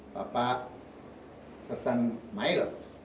bapak sersan mail